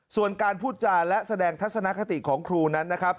ส่วนการพูดจาและแสดงทัศนคติของครูนั้นนะครับ